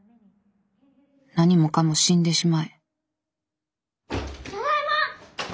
何もかも死んでしまえ・ただいま！